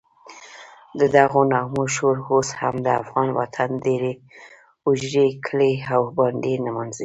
ددغو نغمو شور اوس هم د افغان وطن دېرې، هوجرې، کلي او بانډې نمانځي.